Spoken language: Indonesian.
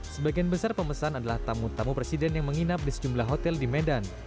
sebagian besar pemesan adalah tamu tamu presiden yang menginap di sejumlah hotel di medan